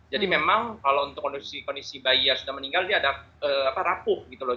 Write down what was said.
jadi memang kalau untuk kondisi bayi yang sudah meninggal dia ada rapuh gitu loh